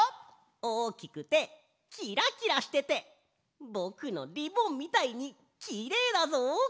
おおきくてキラキラしててぼくのリボンみたいにきれいだぞ！